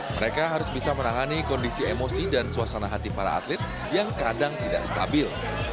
mereka harus bisa menangani kondisi emosi dan suasana hati para atlet yang kadang tidak stabil